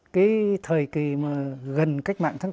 cái thời kỳ mà gần cách mạng tháng tám